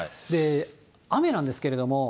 雨なんですけれども。